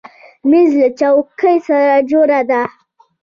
مېز له چوکۍ سره جوړه ده.